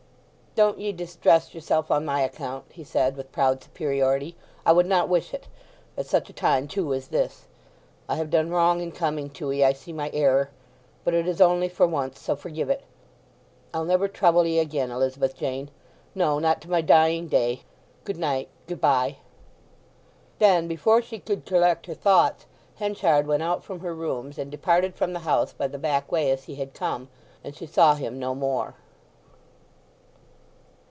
"Don't ye distress yourself on my account," he said, with proud superiority. "I would not wish it—at such a time, too, as this. I have done wrong in coming to 'ee—I see my error. But it is only for once, so forgive it. I'll never trouble 'ee again, Elizabeth Jane—no, not to my dying day! Good night. Good bye!" Then, before she could collect her thoughts, Henchard went out from her rooms, and departed from the house by the back way as he had come; and she saw him no more.